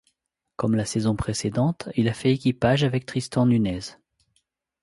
Comme la saison précédente, il a fait équipage avec Tristan Nunez.